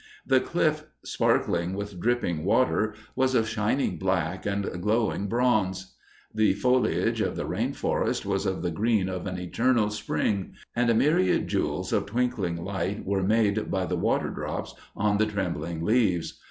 The cliff, sparkling with dripping water, was of shining black and glowing bronze. The foliage of the Rain Forest was of the green of an eternal spring, and a myriad jewels of twinkling light were made by the water drops on the trembling leaves.